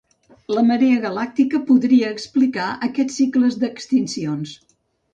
La marea galàctica podria explicar aquests cicles d'extincions.